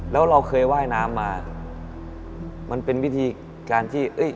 แล้วเราเคยว่ายน้ำมามันเป็นวิธีการที่เอ้ย